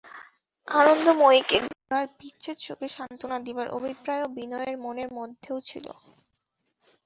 আনন্দময়ীকে গোরার বিচ্ছেদশোকে সান্ত্বনা দিবার অভিপ্রায়ও বিনয়ের মনের মধ্যে ছিল।